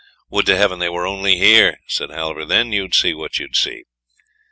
Would to Heaven they were only here," said Halvor, "then you'd see what you would see."